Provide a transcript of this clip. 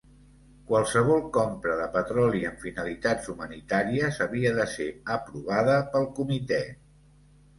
Qualsevol compra de petroli amb finalitats humanitàries havia de ser aprovada pel Comitè.